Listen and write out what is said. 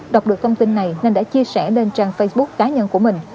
đọc được thông tin này nên đã chia sẻ lên trang facebook cá nhân của mình